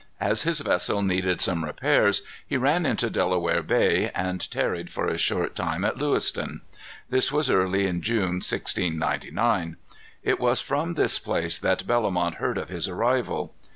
As his vessel needed some repairs, he ran into Delaware Bay, and tarried for a short time at Lewiston. This was early in June, 1699. It was from this place that Bellomont heard of his arrival.